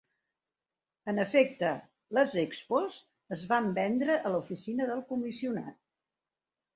En efecte, les Expos es van vendre a l'oficina del comissionat.